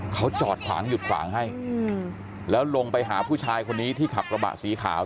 เขาจอดขวางหยุดขวางให้แล้วลงไปหาผู้ชายคนนี้ที่ขับกระบะสีขาว